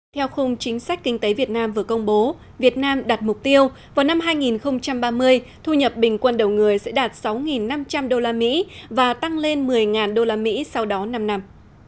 theo khung chính sách kinh tế việt nam vừa công bố việt nam đặt mục tiêu vào năm hai nghìn ba mươi thu nhập bình quân đầu người sẽ đạt sáu năm trăm linh usd và tăng lên một mươi usd sau đó năm năm